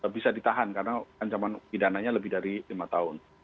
bisa ditahan karena ancaman pidananya lebih dari lima tahun